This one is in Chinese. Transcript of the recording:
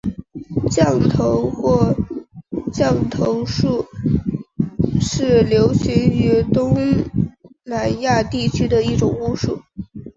降头或降头术是流行于东南亚地区的一种巫术。